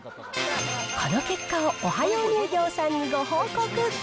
この結果をオハヨー乳業さんにご報告。